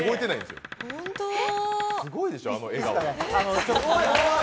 すごいでしょ、あの笑顔。